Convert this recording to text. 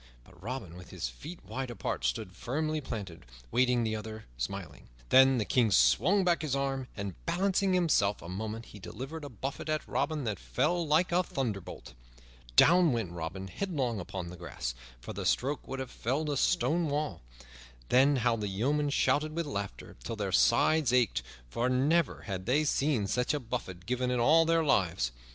But Robin, with his feet wide apart, stood firmly planted, waiting the other, smiling. Then the King swung back his arm, and, balancing himself a moment, he delivered a buffet at Robin that fell like a thunderbolt. Down went Robin headlong upon the grass, for the stroke would have felled a stone wall. Then how the yeomen shouted with laughter till their sides ached, for never had they seen such a buffet given in all their lives.